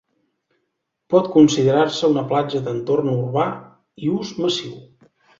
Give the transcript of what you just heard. Pot considerar-se una platja d'entorn urbà i ús massiu.